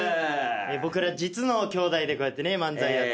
僕ら実の兄弟でこうやって漫才やってまして。